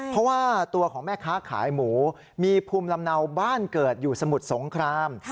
เพราะว่าตัวของแม่ค้าขายหมูมีภูมิลำเนาบ้านเกิดอยู่สมุทรสงคราม